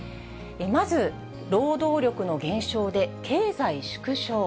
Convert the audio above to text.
まず、労働力の減少で経済縮小？